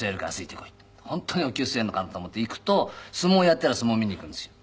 本当にお灸据えるのかなと思って行くと相撲やっていたら相撲を見に行くんですよ。